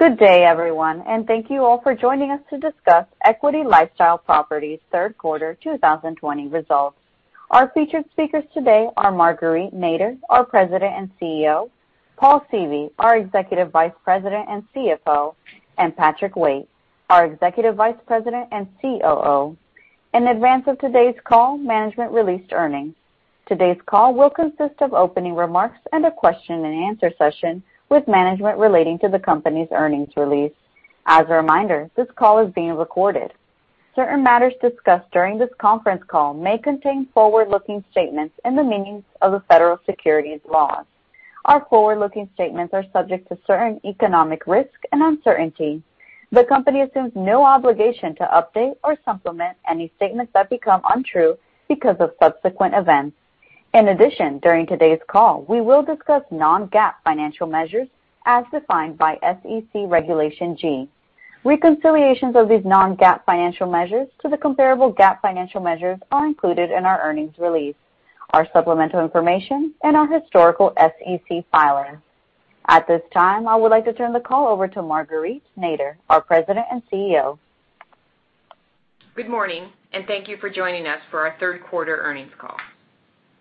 Good day, everyone, thank you all for joining us to discuss Equity LifeStyle Properties' Q3 2020 results. Our featured speakers today are Marguerite Nader, our President and CEO, Paul Seavey, our Executive Vice President and CFO, and Patrick Waite, our Executive Vice President and COO. In advance of today's call, management released earnings. Today's call will consist of opening remarks and a question and answer session with management relating to the company's earnings release. As a reminder, this call is being recorded. Certain matters discussed during this conference call may contain forward-looking statements in the meanings of the federal securities laws. Our forward-looking statements are subject to certain economic risk and uncertainty. The company assumes no obligation to update or supplement any statements that become untrue because of subsequent events. In addition, during today's call, we will discuss non-GAAP financial measures as defined by SEC Regulation G. Reconciliations of these non-GAAP financial measures to the comparable GAAP financial measures are included in our earnings release, our supplemental information, and our historical SEC filings. At this time, I would like to turn the call over to Marguerite Nader, our President and CEO. Good morning, thank you for joining us for our Q3 earnings call.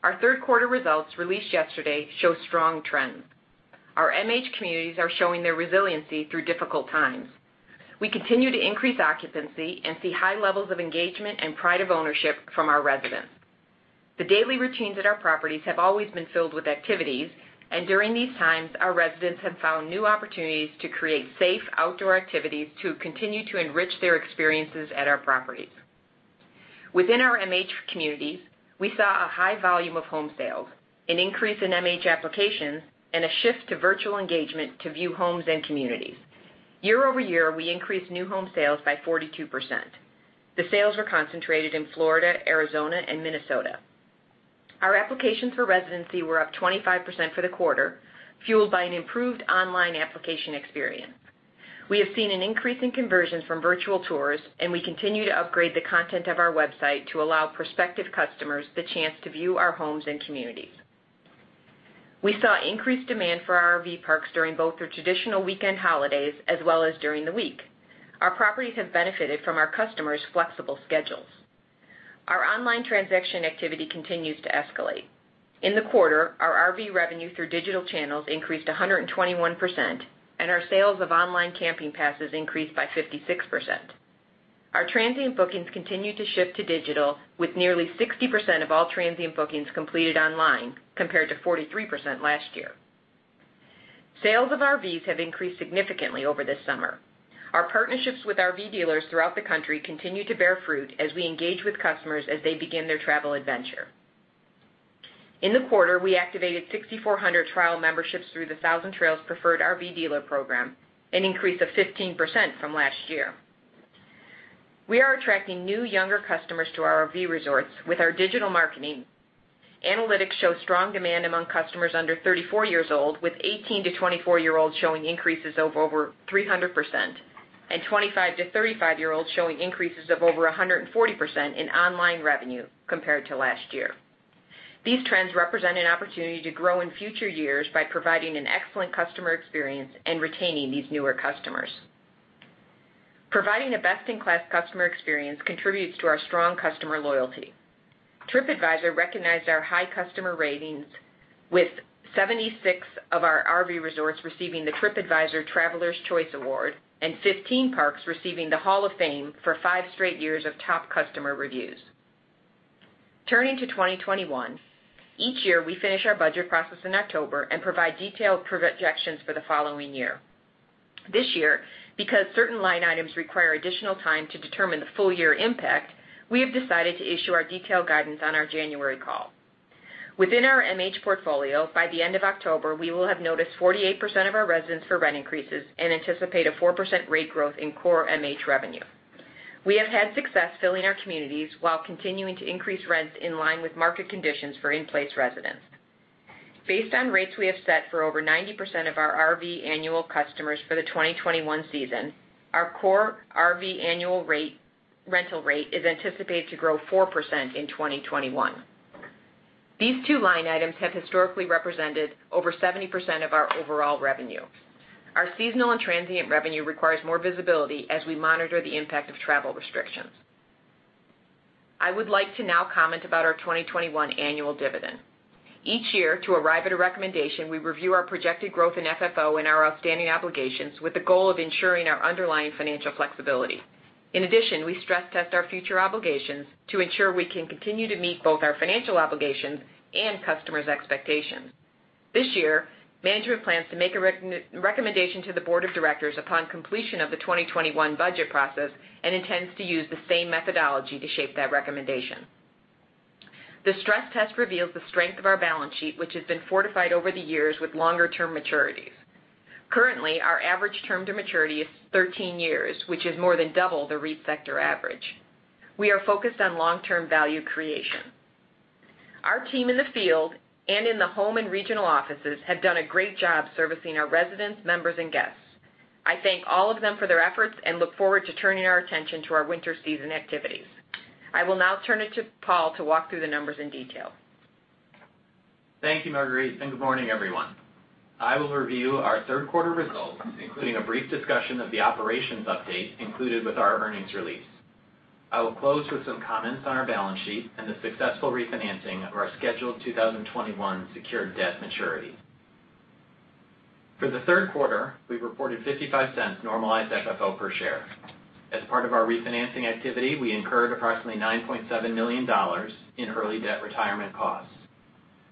Our Q3 results, released yesterday, show strong trends. Our MH communities are showing their resiliency through difficult times. We continue to increase occupancy and see high levels of engagement and pride of ownership from our residents. The daily routines at our properties have always been filled with activities, and during these times, our residents have found new opportunities to create safe outdoor activities to continue to enrich their experiences at our properties. Within our MH communities, we saw a high volume of home sales, an increase in MH applications, and a shift to virtual engagement to view homes and communities. Year-over-year, we increased new home sales by 42%. The sales were concentrated in Florida, Arizona, and Minnesota. Our applications for residency were up 25% for the quarter, fueled by an improved online application experience. We have seen an increase in conversions from virtual tours, and we continue to upgrade the content of our website to allow prospective customers the chance to view our homes and communities. We saw increased demand for our RV parks during both the traditional weekend holidays as well as during the week. Our properties have benefited from our customers' flexible schedules. Our online transaction activity continues to escalate. In the quarter, our RV revenue through digital channels increased 121%, and our sales of online Camping Passes increased by 56%. Our transient bookings continue to shift to digital, with nearly 60% of all transient bookings completed online compared to 43% last year. Sales of RVs have increased significantly over this summer. Our partnerships with RV dealers throughout the country continue to bear fruit as we engage with customers as they begin their travel adventure. In the quarter, we activated 6,400 trial memberships through the Thousand Trails Preferred RV Dealer program, an increase of 15% from last year. We are attracting new, younger customers to our RV resorts with our digital marketing. Analytics show strong demand among customers under 34 years old, with 18-24-year-olds showing increases of over 300% and 25-35-year-olds showing increases of over 140% in online revenue compared to last year. These trends represent an opportunity to grow in future years by providing an excellent customer experience and retaining these newer customers. Providing a best-in-class customer experience contributes to our strong customer loyalty. Tripadvisor recognized our high customer ratings, with 76 of our RV resorts receiving the Tripadvisor Travelers' Choice Award and 15 parks receiving the Hall of Fame for five straight years of top customer reviews. Turning to 2021, each year, we finish our budget process in October and provide detailed projections for the following year. This year, because certain line items require additional time to determine the full year impact, we have decided to issue our detailed guidance on our January call. Within our MH portfolio, by the end of October, we will have noticed 48% of our residents for rent increases and anticipate a four percent rate growth in core MH revenue. We have had success filling our communities while continuing to increase rents in line with market conditions for in-place residents. Based on rates we have set for over 90% of our RV annual customers for the 2021 season, our core RV annual rental rate is anticipated to grow four percent in 2021. These two line items have historically represented over 70% of our overall revenue. Our seasonal and transient revenue requires more visibility as we monitor the impact of travel restrictions. I would like to now comment about our 2021 annual dividend. Each year, to arrive at a recommendation, we review our projected growth in FFO and our outstanding obligations with the goal of ensuring our underlying financial flexibility. In addition, we stress test our future obligations to ensure we can continue to meet both our financial obligations and customers' expectations. This year, management plans to make a recommendation to the board of directors upon completion of the 2021 budget process and intends to use the same methodology to shape that recommendation. The stress test reveals the strength of our balance sheet, which has been fortified over the years with longer-term maturities. Currently, our average term to maturity is 13 years, which is more than double the REIT sector average. We are focused on long-term value creation. Our team in the field and in the home and regional offices have done a great job servicing our residents, members, and guests. I thank all of them for their efforts and look forward to turning our attention to our winter season activities. I will now turn it to Paul to walk through the numbers in detail. Thank you, Marguerite. Good morning, everyone. I will review our third quarter results, including a brief discussion of the operations update included with our earnings release. I will close with some comments on our balance sheet and the successful refinancing of our scheduled 2021 secured debt maturity. For the Q3, we reported $0.55 normalized FFO per share. As part of our refinancing activity, we incurred approximately $9.7 million in early debt retirement costs.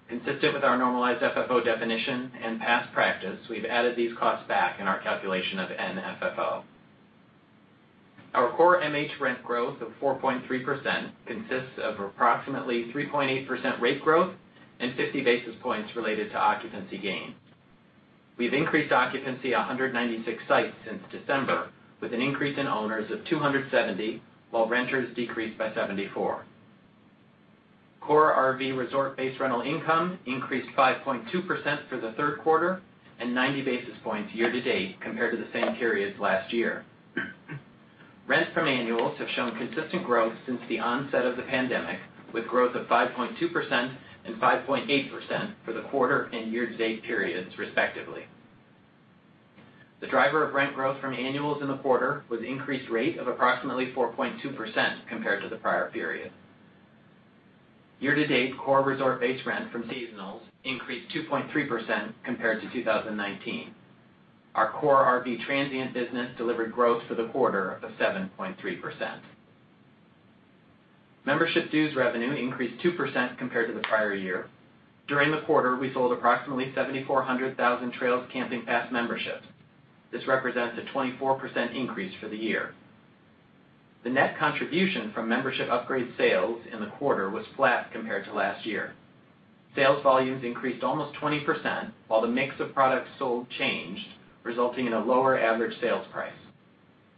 Consistent with our normalized FFO definition and past practice, we've added these costs back in our calculation of NFFO. Our core MH rent growth of 4.3% consists of approximately 3.8% rate growth and 50 basis points related to occupancy gain. We've increased occupancy 196 sites since December, with an increase in owners of 270 while renters decreased by 74. Core RV resort-based rental income increased 5.2% for the third quarter and 90 basis points year to date compared to the same periods last year. Rents from annuals have shown consistent growth since the onset of the pandemic, with growth of 5.2% and 5.8% for the quarter and year to date periods respectively. The driver of rent growth from annuals in the quarter was increased rate of approximately 4.2% compared to the prior period. Year to date, core resort-based rent from seasonals increased 2.3% compared to 2019. Our core RV transient business delivered growth for the quarter of 7.3%. Membership dues revenue increased two percent compared to the prior year. During the quarter, we sold approximately 7,400 TrailS Camping Pass memberships. This represents a 24% increase for the year. The net contribution from membership upgrade sales in the quarter was flat compared to last year. Sales volumes increased almost 20%, while the mix of products sold changed, resulting in a lower average sales price.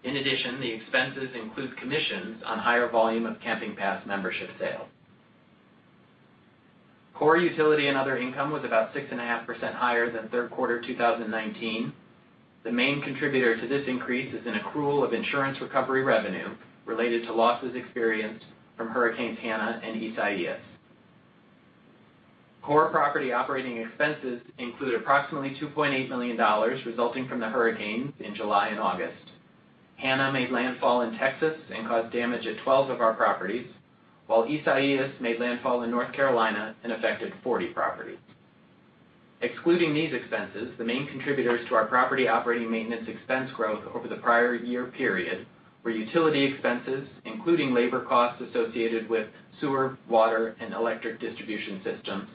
In addition, the expenses include commissions on higher volume of Camping Pass membership sales. Core utility and other income was about 6.5% higher than Q3 2019. The main contributor to this increase is an accrual of insurance recovery revenue related to losses experienced from hurricanes Hanna and Isaias. Core property operating expenses include approximately $2.8 million, resulting from the hurricanes in July and August. Hanna made landfall in Texas and caused damage at 12 of our properties, while Isaias made landfall in North Carolina and affected 40 properties. Excluding these expenses, the main contributors to our property operating maintenance expense growth over the prior year period were utility expenses, including labor costs associated with sewer, water, and electric distribution systems,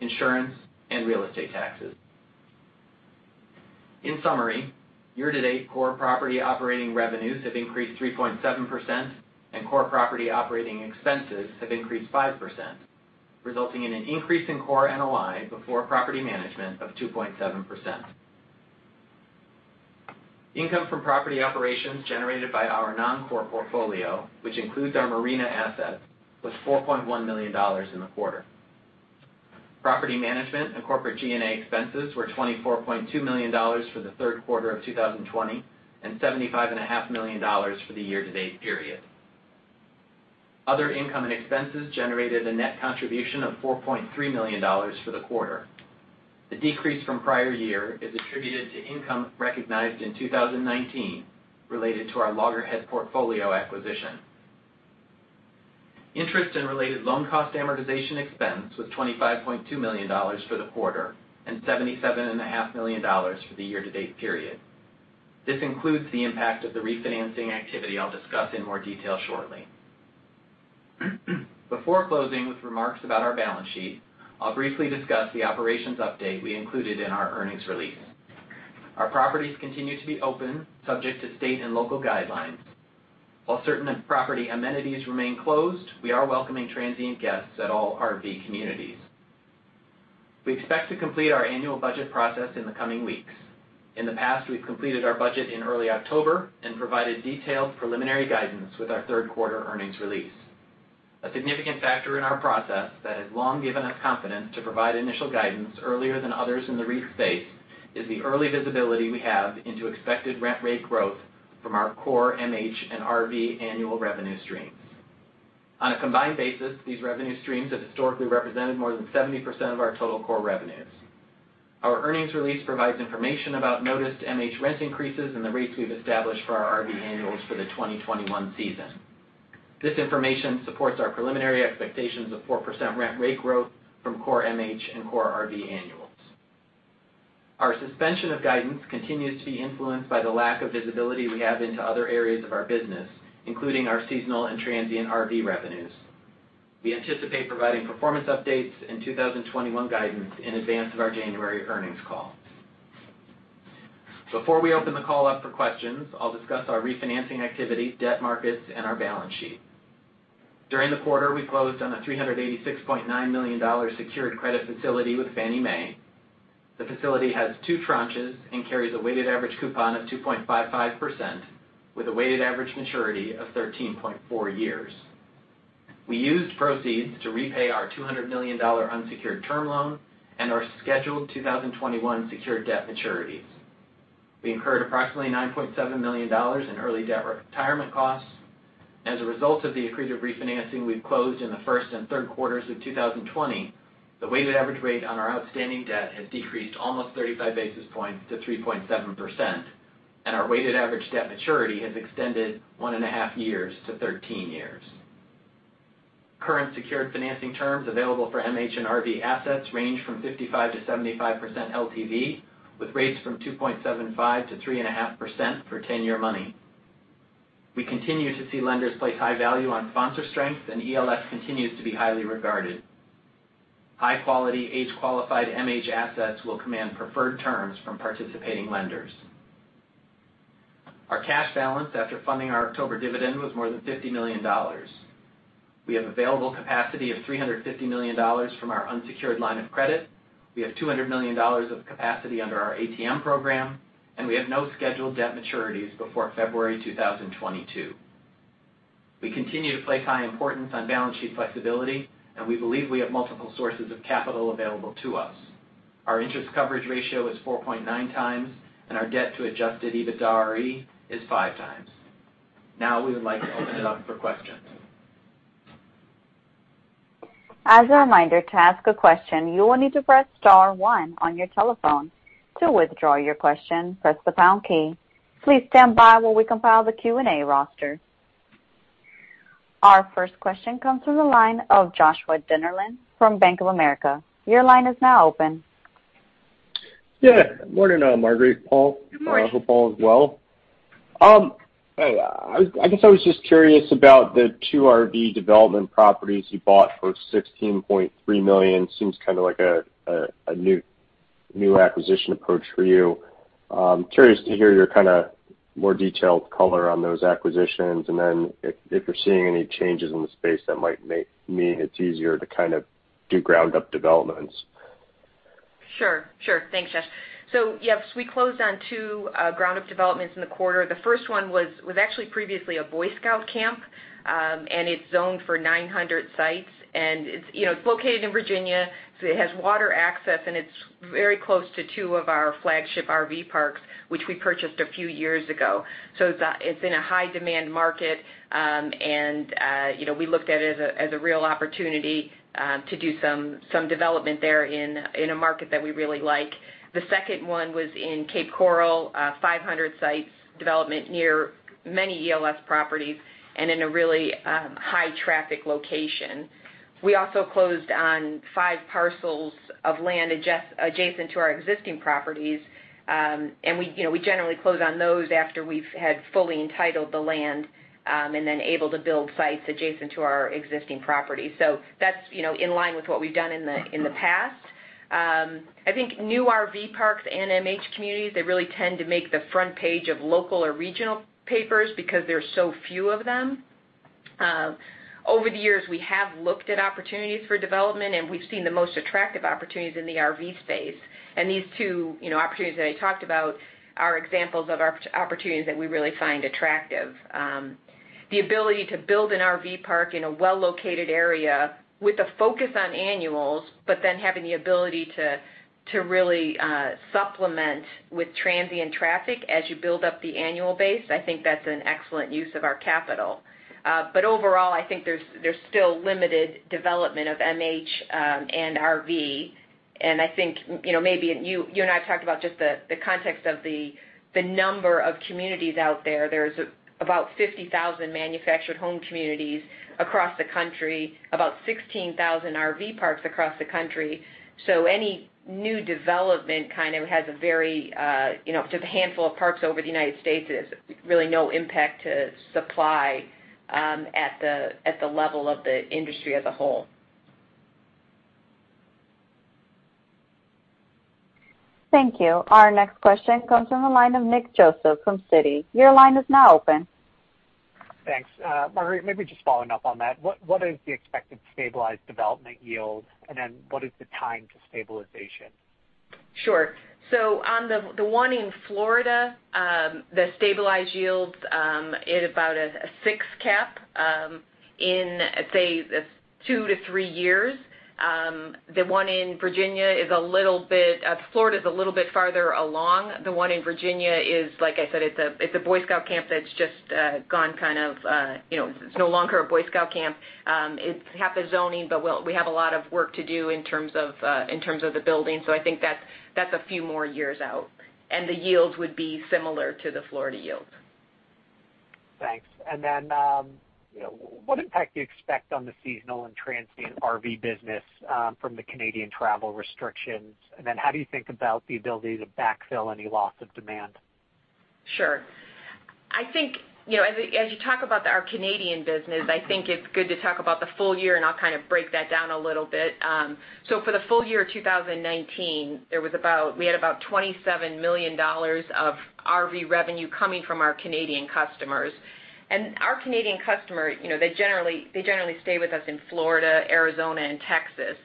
insurance, and real estate taxes. In summary, year to date core property operating revenues have increased 3.7% and core property operating expenses have increased five percent, resulting in an increase in core NOI before property management of 2.7%. Income from property operations generated by our non-core portfolio, which includes our marina assets, was $4.1 million in the quarter. Property management and corporate G&A expenses were $24.2 million for the Q3 of 2020 and $75.5 million for the year to date period. Other income and expenses generated a net contribution of $4.3 million for the quarter. The decrease from prior year is attributed to income recognized in 2019 related to our Loggerhead portfolio acquisition. Interest and related loan cost amortization expense was $25.2 million for the quarter and $77.5 million for the year to date period. This includes the impact of the refinancing activity I'll discuss in more detail shortly. Before closing with remarks about our balance sheet, I'll briefly discuss the operations update we included in our earnings release. Our properties continue to be open subject to state and local guidelines. While certain property amenities remain closed, we are welcoming transient guests at all RV communities. We expect to complete our annual budget process in the coming weeks. In the past, we've completed our budget in early October and provided detailed preliminary guidance with our third quarter earnings release. A significant factor in our process that has long given us confidence to provide initial guidance earlier than others in the REIT space is the early visibility we have into expected rent rate growth from our core MH and RV annual revenue streams. On a combined basis, these revenue streams have historically represented more than 70% of our total core revenues. Our earnings release provides information about noticed MH rent increases and the rates we've established for our RV annuals for the 2021 season. This information supports our preliminary expectations of four percent rent rate growth from core MH and core RV annuals. Our suspension of guidance continues to be influenced by the lack of visibility we have into other areas of our business, including our seasonal and transient RV revenues. We anticipate providing performance updates and 2021 guidance in advance of our January earnings call. Before we open the call up for questions, I'll discuss our refinancing activity, debt markets, and our balance sheet. During the quarter, we closed on a $386.9 million secured credit facility with Fannie Mae. The facility has two tranches and carries a weighted average coupon of 2.55% with a weighted average maturity of 13.4 years. We used proceeds to repay our $200 million unsecured term loan and our scheduled 2021 secured debt maturities. We incurred approximately $9.7 million in early debt retirement costs. As a result of the accretive refinancing we've closed in the Q1 and Q3 of 2020, the weighted average rate on our outstanding debt has decreased almost 35 basis points to 3.7%, and our weighted average debt maturity has extended one and a half years to 13 years. Current secured financing terms available for MH and RV assets range from 55%-75% LTV, with rates from 2.75%-3.5% for 10-year money. We continue to see lenders place high value on sponsor strength, and ELS continues to be highly regarded. High-quality, age-qualified MH assets will command preferred terms from participating lenders. Our cash balance after funding our October dividend was more than $50 million. We have available capacity of $350 million from our unsecured line of credit, we have $200 million of capacity under our ATM program, and we have no scheduled debt maturities before February 2022. We continue to place high importance on balance sheet flexibility, and we believe we have multiple sources of capital available to us. Our interest coverage ratio is 4.9x, and our debt to adjusted EBITDAre is 5x. Now we would like to open it up for questions. As a reminder, to ask a question, you will need to press star one on your telephone. To withdraw your question, press the pound key. Please stand by while we compile the Q&A roster. Our first question comes from the line of Joshua Dennerlein from Bank of America. Your line is now open. Yeah. Morning, Marguerite, Paul. Good morning. Hope all is well.I guess I was just curious about the two RV development properties you bought for $16.3 million. Seems kind of like a new acquisition approach for you. Curious to hear your more detailed color on those acquisitions, and then if you're seeing any changes in the space that might make it easier to do ground up developments. Sure, sure. Thanks, Josh. Yes, we closed on two ground-up developments in the quarter. The first one was actually previously a Boy Scout camp. It's zoned for 900 sites. It's located in Virginia, so it has water access and it's very close to two of our flagship RV parks, which we purchased a few years ago. It's in a high-demand market. We looked at it as a real opportunity to do some development there in a market that we really like. The second one was in Cape Coral, 500 sites development near many ELS properties and in a really high-traffic location. We also closed on five parcels of land adjacent to our existing properties. We generally close on those after we've had fully entitled the land, and then able to build sites adjacent to our existing property. That's in line with what we've done in the past. I think new RV parks and MH communities, they really tend to make the front page of local or regional papers because there are so few of them. Over the years, we have looked at opportunities for development, and we've seen the most attractive opportunities in the RV space. These two opportunities that I talked about are examples of opportunities that we really find attractive. The ability to build an RV park in a well-located area with a focus on annuals, but then having the ability to really supplement with transient traffic as you build up the annual base, I think that's an excellent use of our capital. Overall, I think there's still limited development of MH and RV. I think, maybe, you and I talked about just the context of the number of communities out there. There's about 50,000 manufactured home communities across the country, about 16,000 RV parks across the country, so any new development kind of has a very Just a handful of parks over the U.S. is really no impact to supply at the level of the industry as a whole. Thank you. Our next question comes from the line of Nick Joseph from Citi. Your line is now open. Thanks. Marguerite, maybe just following up on that. What is the expected stabilized development yield, and then what is the time to stabilization? Sure. On the one in Florida, the stabilized yield is about a six cap in, say, two - three years. The one in Virginia is a little bit Florida's a little bit farther along. The one in Virginia is, like I said, it's a Boy Scout camp. It's no longer a Boy Scout camp. It has the zoning, but we have a lot of work to do in terms of the building, so I think that's a few more years out, and the yields would be similar to the Florida yields. Thanks. What impact do you expect on the seasonal and transient RV business from the Canadian travel restrictions? How do you think about the ability to backfill any loss of demand? Sure. I think, as you talk about our Canadian business, I think it's good to talk about the full year. I'll kind of break that down a little bit. For the full year 2019, we had about $27 million of RV revenue coming from our Canadian customers. Our Canadian customers, they generally stay with us in Florida, Arizona, and Texas.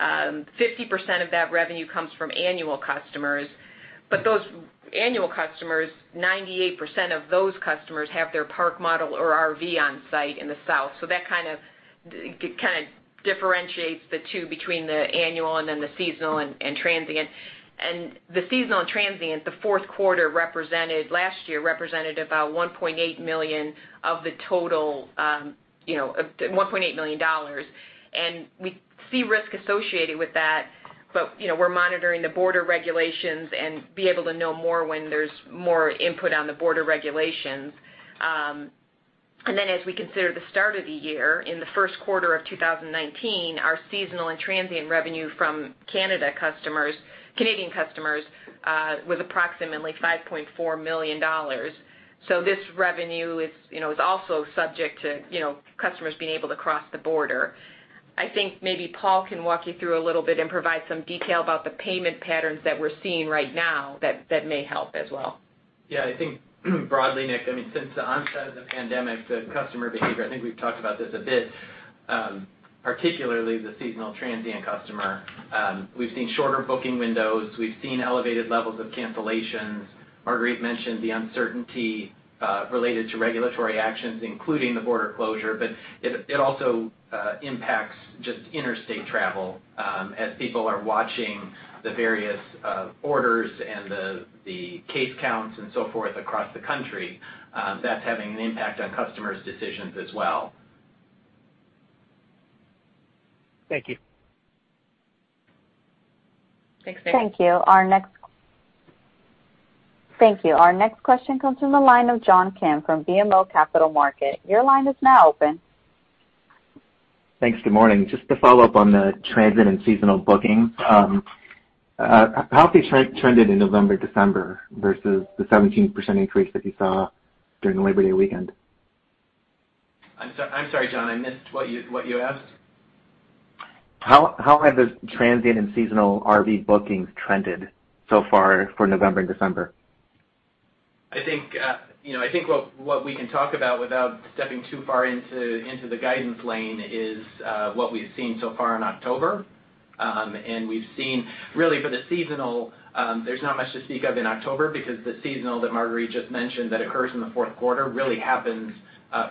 50% of that revenue comes from annual customers. Those annual customers, 98% of those customers have their park model or RV on site in the South. That kind of differentiates the two between the annual and then the seasonal and transient. The seasonal and transient, the Q4 last year represented about $1.8 million. We see risk associated with that, but we're monitoring the border regulations and be able to know more when there's more input on the border regulations. As we consider the start of the year, in the Q1 of 2019, our seasonal and transient revenue from Canadian customers was approximately $5.4 million. This revenue is also subject to customers being able to cross the border. I think maybe Paul can walk you through a little bit and provide some detail about the payment patterns that we're seeing right now that may help as well. Yeah, I think broadly, Nick, since the onset of the pandemic, the customer behavior, I think we've talked about this a bit, particularly the seasonal transient customer. We've seen shorter booking windows. We've seen elevated levels of cancellations. Marguerite mentioned the uncertainty related to regulatory actions, including the border closure, but it also impacts just interstate travel, as people are watching the various orders and the case counts and so forth across the country. That's having an impact on customers' decisions as well. Thank you. Thanks, Nick. Thank you. Our next question comes from the line of John Kim from BMO Capital Markets. Your line is now open. Thanks. Good morning. Just to follow up on the transient and seasonal bookings, how have they trended in November, December versus the 17% increase that you saw during the Labor Day weekend? I'm sorry, John, I missed what you asked. How have the transient and seasonal RV bookings trended so far for November and December? I think what we can talk about without stepping too far into the guidance lane is what we've seen so far in October. We've seen really for the seasonal, there's not much to speak of in October because the seasonal that Marguerite just mentioned that occurs in the Q4 really happens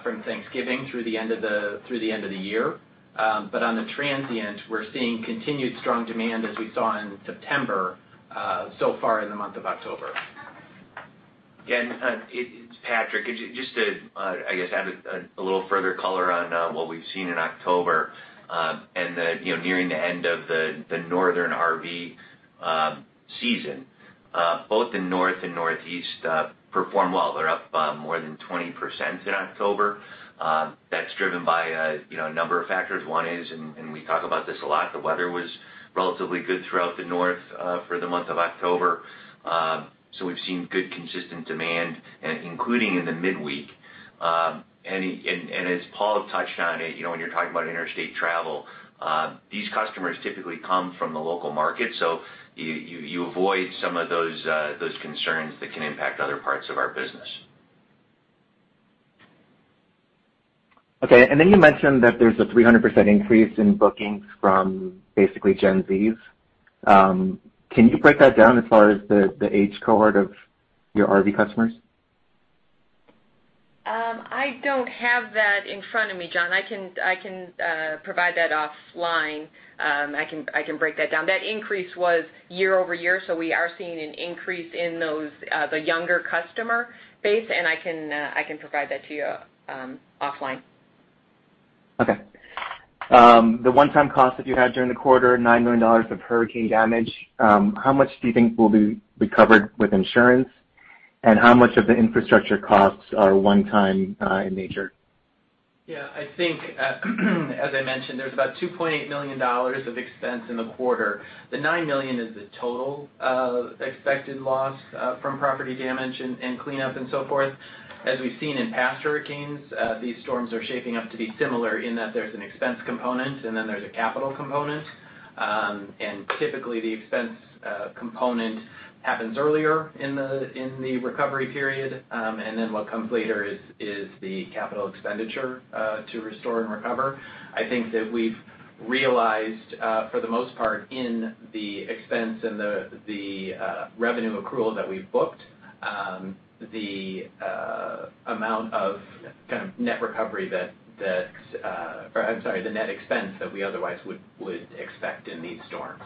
from Thanksgiving through the end of the year. On the transient, we're seeing continued strong demand as we saw in September so far in the month of October. Again, it's Patrick. Just to, I guess, add a little further color on what we've seen in October. That nearing the end of the northern RV season, both the North and Northeast performed well. They're up more than 20% in October. That's driven by a number of factors. One is, and we talk about this a lot, the weather was relatively good throughout the North for the month of October. We've seen good consistent demand including in the midweek. As Paul touched on it, when you're talking about interstate travel, these customers typically come from the local market, so you avoid some of those concerns that can impact other parts of our business. Okay, you mentioned that there's a 300% increase in bookings from basically Gen Zs. Can you break that down as far as the age cohort of your RV customers? I don't have that in front of me, John. I can provide that offline. I can break that down. That increase was year-over-year, so we are seeing an increase in the younger customer base, and I can provide that to you offline. Okay. The one-time cost that you had during the quarter, $9 million of hurricane damage, how much do you think will be recovered with insurance? How much of the infrastructure costs are one time in nature? Yeah, I think as I mentioned, there's about $2.8 million of expense in the quarter. The $9 million is the total expected loss from property damage and cleanup and so forth. As we've seen in past hurricanes, these storms are shaping up to be similar in that there's an expense component and then there's a capital component. Typically, the expense component happens earlier in the recovery period. What comes later is the capital expenditure to restore and recover. I think that we've realized for the most part in the expense and the revenue accrual that we've booked, the amount of net expense that we otherwise would expect in these storms.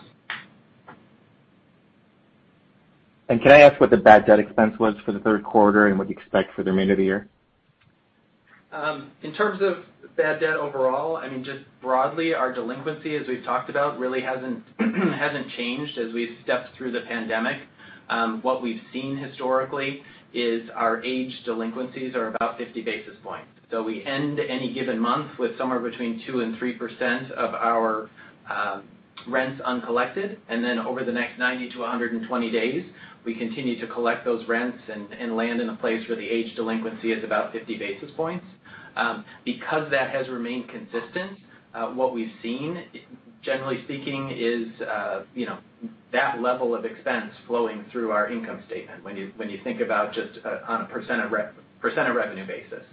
Can I ask what the bad debt expense was for the Q3 and what you expect for the remainder of the year? In terms of bad debt overall, just broadly, our delinquency, as we've talked about, really hasn't changed as we've stepped through the pandemic. What we've seen historically is our age delinquencies are about 50 basis points. We end any given month with somewhere between two percent -three percent of our rents uncollected. Over the next 90-120 days, we continue to collect those rents and land in a place where the age delinquency is about 50 basis points. Because that has remained consistent, what we've seen, generally speaking, is that level of expense flowing through our income statement when you think about just on a % of revenue basis.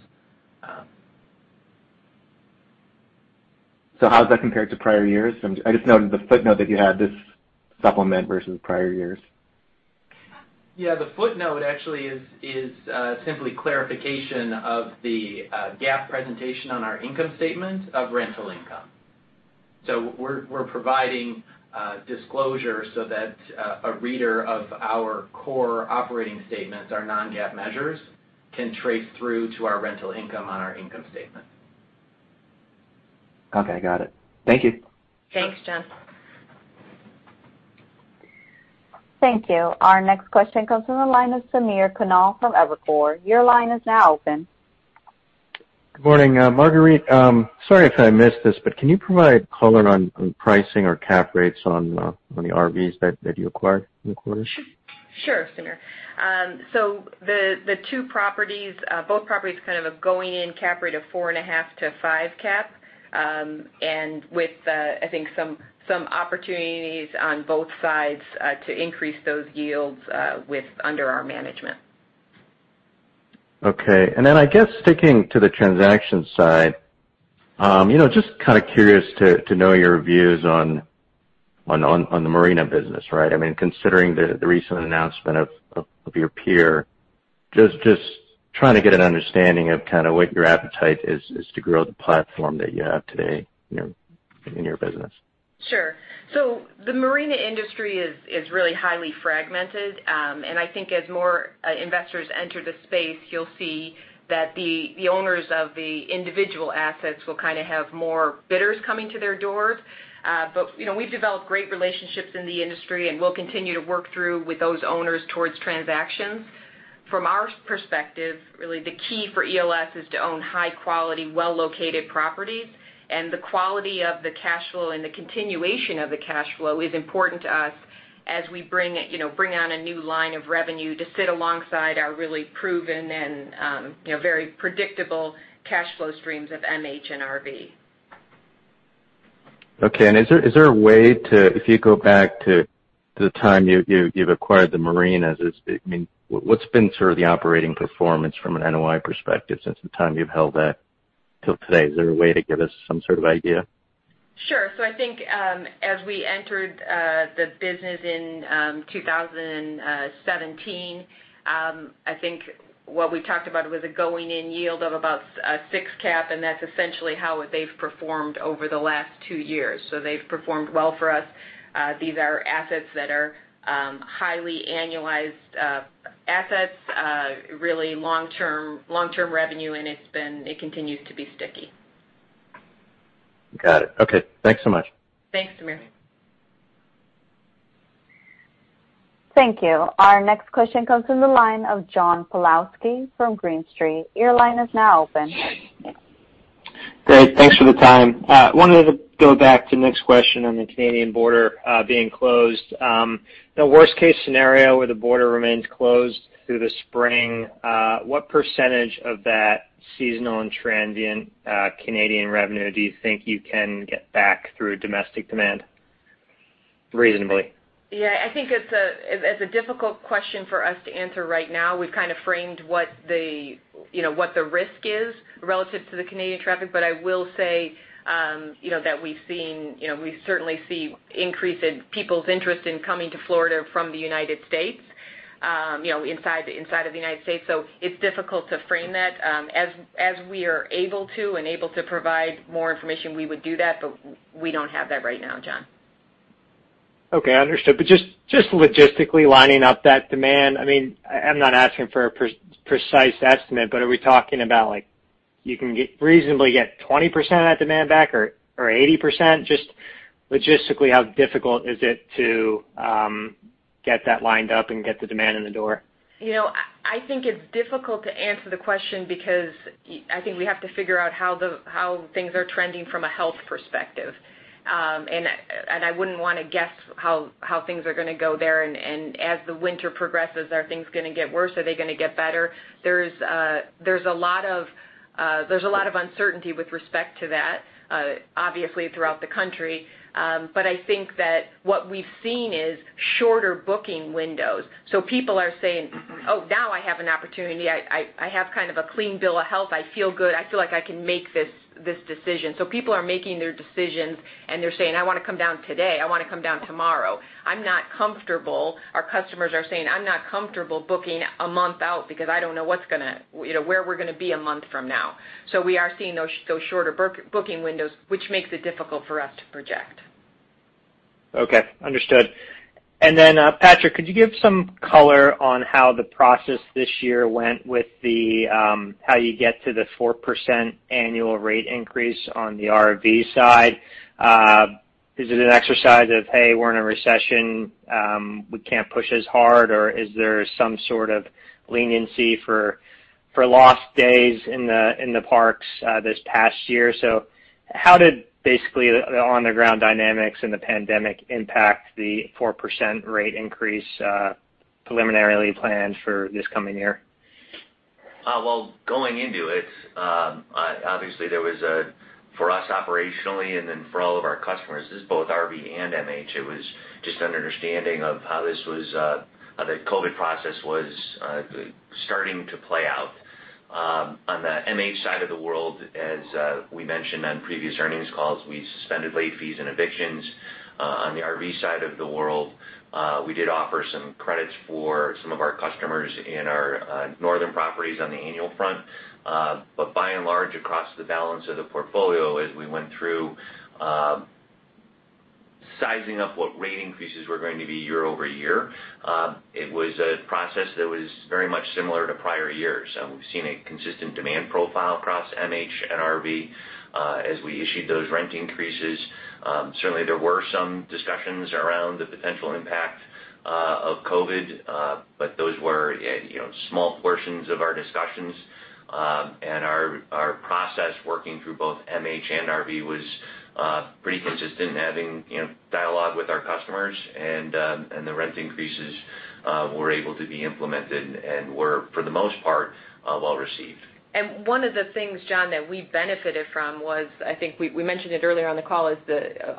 How does that compare to prior years? I just noted the footnote that you had this supplement versus prior years. Yeah. The footnote actually is simply clarification of the GAAP presentation on our income statement of rental income. We're providing disclosure so that a reader of our core operating statements, our non-GAAP measures, can trace through to our rental income on our income statement. Okay. Got it. Thank you. Thanks, John. Thank you. Our next question comes from the line of Samir Khanal from Evercore. Your line is now open. Good morning, Marguerite. Sorry if I missed this, but can you provide color on pricing or cap rates on the RVs that you acquired in the quarter? Sure, Samir. Both properties kind of have going in cap rate of four and a half to five cap, and with, I think, some opportunities on both sides to increase those yields under our management. Okay. I guess, sticking to the transaction side, just kind of curious to know your views on the marina business, right? Considering the recent announcement of your peer, just trying to get an understanding of kind of what your appetite is to grow the platform that you have today in your business. Sure. The marina industry is really highly fragmented. I think as more investors enter the space, you'll see that the owners of the individual assets will kind of have more bidders coming to their doors. We've developed great relationships in the industry, and we'll continue to work through with those owners towards transactions. From our perspective, really the key for ELS is to own high quality, well-located properties, and the quality of the cash flow and the continuation of the cash flow is important to us as we bring on a new line of revenue to sit alongside our really proven and very predictable cash flow streams of MH and RV. Okay. Is there a way to, if you go back to the time you've acquired the marinas, what's been sort of the operating performance from an NOI perspective since the time you've held that till today? Is there a way to give us some sort of idea? Sure. I think, as we entered the business in 2017, I think what we talked about was a going-in yield of about a six cap, and that's essentially how they've performed over the last two years. They've performed well for us. These are assets that are highly annualized assets, really long-term revenue, and it continues to be sticky. Got it. Okay. Thanks so much. Thanks, Samir. Thank you. Our next question comes from the line of John Pawlowski from Green Street. Your line is now open. Great. Thanks for the time. Wanted to go back to Nick's question on the Canadian border being closed. The worst case scenario where the border remains closed through the spring, what percentage of that seasonal and transient Canadian revenue do you think you can get back through domestic demand reasonably? Yeah. I think it's a difficult question for us to answer right now. We've kind of framed what the risk is relative to the Canadian traffic, but I will say that we certainly see increase in people's interest in coming to Florida from the United States, inside of the United States. It's difficult to frame that. As we are able to and able to provide more information, we would do that, but we don't have that right now, John. Okay. Understood. Just logistically lining up that demand, I'm not asking for a precise estimate, but are we talking about, like, you can reasonably get 20% of that demand back or 80%? Just logistically, how difficult is it to get that lined up and get the demand in the door? I think it's difficult to answer the question because I think we have to figure out how things are trending from a health perspective. I wouldn't want to guess how things are going to go there, and as the winter progresses, are things going to get worse? Are they going to get better? There's a lot of uncertainty with respect to that, obviously, throughout the country. I think that what we've seen is shorter booking windows. People are saying, "Oh, now I have an opportunity. I have kind of a clean bill of health. I feel good. I feel like I can make this decision." People are making their decisions, and they're saying, "I want to come down today. I want to come down tomorrow." Our customers are saying, "I'm not comfortable booking a month out because I don't know where we're going to be a month from now." We are seeing those shorter booking windows, which makes it difficult for us to project. Okay. Understood. Patrick, could you give some color on how the process this year went with how you get to the four percent annual rate increase on the RV side? Is it an exercise of, hey, we're in a recession, we can't push as hard, or is there some sort of leniency for lost days in the parks this past year? How did basically the on-the-ground dynamics and the pandemic impact the four percent rate increase preliminarily planned for this coming year? Well, going into it, obviously there was a For us operationally, and then for all of our customers, this is both RV and MH. It was just an understanding of how the COVID process was starting to play out. On the MH side of the world, as we mentioned on previous earnings calls, we suspended late fees and evictions. On the RV side of the world, we did offer some credits for some of our customers in our northern properties on the annual front. By and large, across the balance of the portfolio, as we went through sizing up what rate increases were going to be year-over-year, it was a process that was very much similar to prior years. We've seen a consistent demand profile across MH and RV as we issued those rent increases. Certainly, there were some discussions around the potential impact of COVID, but those were small portions of our discussions. Our process working through both MH and RV was pretty consistent in having dialogue with our customers and the rent increases were able to be implemented and were, for the most part, well received. One of the things, John, that we benefited from was, I think we mentioned it earlier on the call, is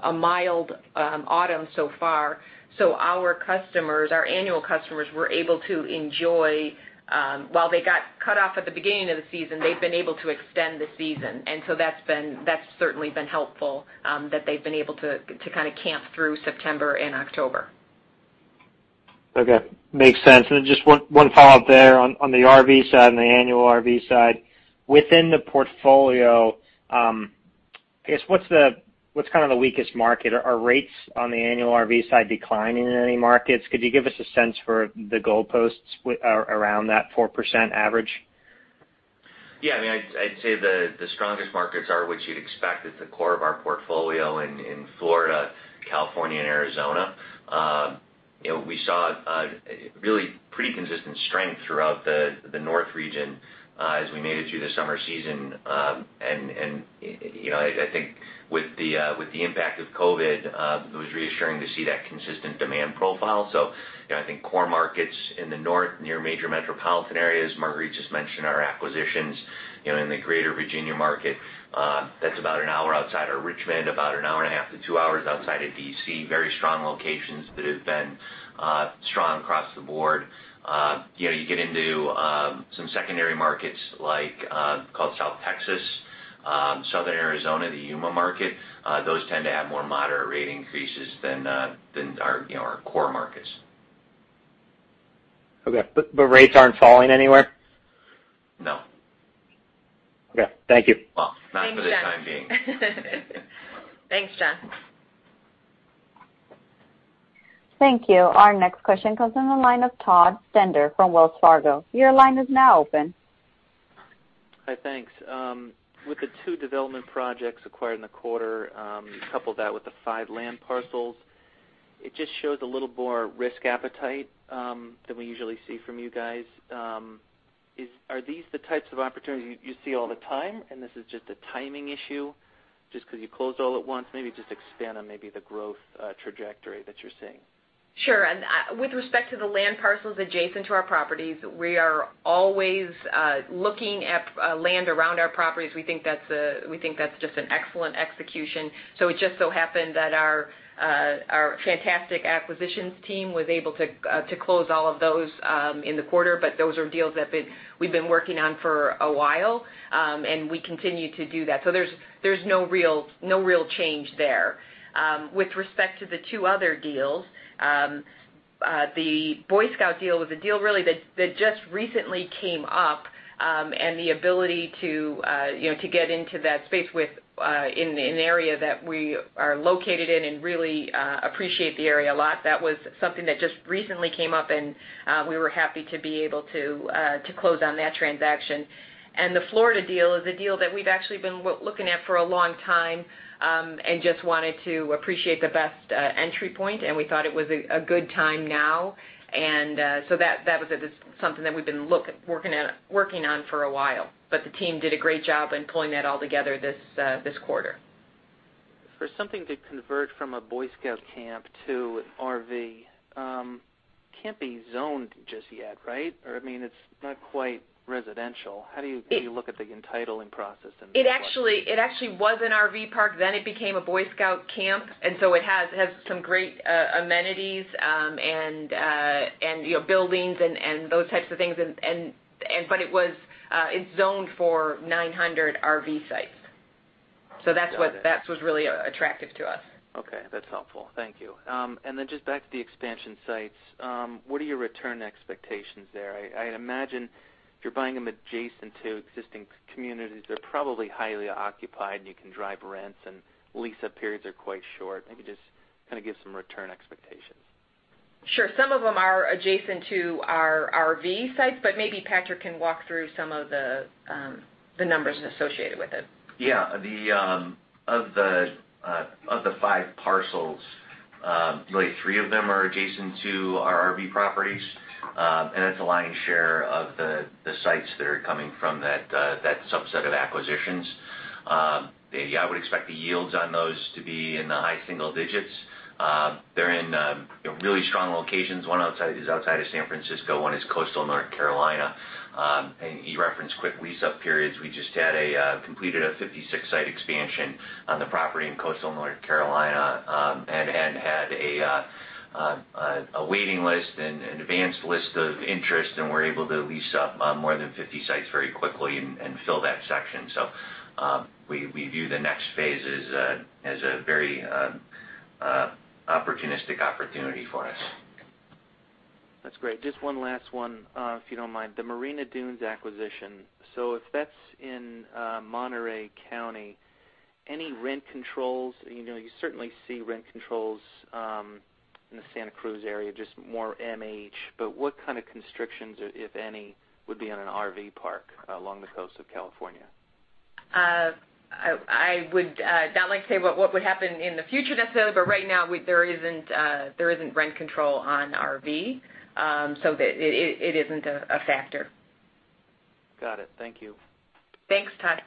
a mild autumn so far. Our annual customers were able to enjoy, while they got cut off at the beginning of the season, they've been able to extend the season. That's certainly been helpful that they've been able to kind of camp through September and October. Okay, makes sense. Then just one follow-up there on the annual RV side. Within the portfolio, I guess, what's kind of the weakest market? Are rates on the annual RV side declining in any markets? Could you give us a sense for the goalposts around that four percent average? Yeah, I'd say the strongest markets are what you'd expect, at the core of our portfolio in Florida, California, and Arizona. We saw really pretty consistent strength throughout the north region as we made it through the summer season. I think with the impact of COVID, it was reassuring to see that consistent demand profile. I think core markets in the north, near major metropolitan areas, Marguerite just mentioned our acquisitions in the greater Virginia market. That's about an hour outside of Richmond, about an hour and a half to two hours outside of D.C. Very strong locations that have been strong across the board. You get into some secondary markets like South Texas, Southern Arizona, the Yuma market, those tend to have more moderate rate increases than our core markets. Okay. Rates aren't falling anywhere? No. Okay. Thank you. Well, not for the time being. Thanks, John. Thank you. Our next question comes from the line of Todd Stender from Wells Fargo. Your line is now open. Hi, thanks. With the two development projects acquired in the quarter, couple that with the five land parcels, it just shows a little more risk appetite than we usually see from you guys. Are these the types of opportunities you see all the time, and this is just a timing issue, just because you closed all at once? Maybe just expand on maybe the growth trajectory that you're seeing. Sure. With respect to the land parcels adjacent to our properties, we are always looking at land around our properties. We think that's just an excellent execution. It just so happened that our fantastic acquisitions team was able to close all of those in the quarter, but those are deals that we've been working on for a while. We continue to do that. There's no real change there. With respect to the two other deals, the Boy Scout deal was a deal really that just recently came up, and the ability to get into that space in an area that we are located in and really appreciate the area a lot, that was something that just recently came up, and we were happy to be able to close on that transaction. The Florida deal is a deal that we've actually been looking at for a long time, and just wanted to appreciate the best entry point, and we thought it was a good time now. That was something that we've been working on for a while. The team did a great job in pulling that all together this quarter. For something to convert from a Boy Scout camp to an RV, can't be zoned just yet, right? I mean, it's not quite residential. How do you look at the entitling process in that? It actually was an RV park, then it became a Boy Scout camp. It has some great amenities and buildings and those types of things. It's zoned for 900 RV sites. That's what really attractive to us. Okay, that's helpful. Thank you. Just back to the expansion sites, what are your return expectations there? I'd imagine if you're buying them adjacent to existing communities, they're probably highly occupied, and you can drive rents, and lease-up periods are quite short. Maybe just kind of give some return expectations. Sure. Some of them are adjacent to our RV sites, but maybe Patrick can walk through some of the numbers associated with it. Yeah. Of the five parcels, really three of them are adjacent to our RV properties. It's a lion's share of the sites that are coming from that subset of acquisitions. I would expect the yields on those to be in the high single digits. They're in really strong locations. One is outside of San Francisco, one is coastal North Carolina. You referenced quick lease-up periods. We just completed a 56-site expansion on the property in coastal North Carolina, and had a waiting list and advanced list of interest, and were able to lease up more than 50 sites very quickly and fill that section. We view the next phase as a very opportunistic opportunity for us. That's great. Just one last one, if you don't mind. The Marina Dunes acquisition. If that's in Monterey County, any rent controls? You certainly see rent controls in the Santa Cruz area, just more MH, but what kind of constrictions, if any, would be on an RV park along the coast of California? I would not like to say what would happen in the future necessarily, but right now, there isn't rent control on RV. It isn't a factor. Got it. Thank you. Thanks, Todd.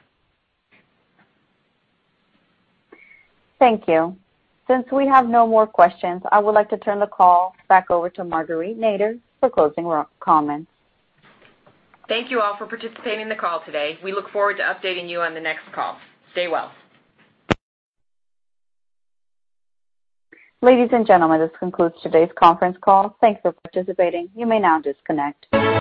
Thank you. Since we have no more questions, I would like to turn the call back over to Marguerite Nader for closing comments. Thank you all for participating in the call today. We look forward to updating you on the next call. Stay well. Ladies and gentlemen, this concludes today's conference call. Thanks for participating. You may now disconnect.